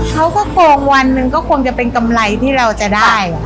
เขาก็โกงวันหนึ่งก็คงจะเป็นกำไรที่เราจะได้